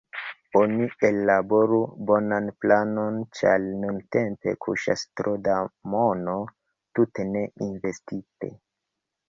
Oni ellaboru bonan planon, ĉar nuntempe kuŝas tro da mono tute ne investite.